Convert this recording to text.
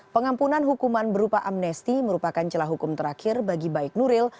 pengampunan hukuman berupa amnesti merupakan celah hukum terakhir bagi baik nuril